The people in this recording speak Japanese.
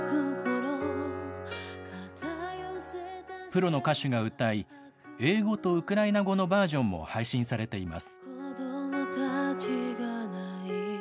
プロの歌手が歌い、英語とウクライナ語のバージョンも配信されています。